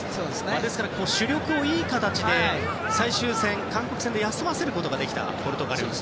ですから、主力をいい形で最終戦、韓国戦で休ませることができたポルトガルです。